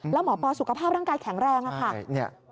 แล้วหมอปอสุขภาพร่างกายแข็งแรงค่ะ